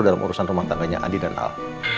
dalam urusan rumah tangganya adi dan al